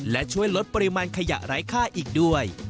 และช่วยลดปริมาณขยะไร้ค่าอีกด้วย